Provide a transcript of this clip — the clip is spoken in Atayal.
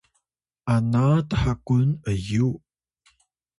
ana thkun ’yung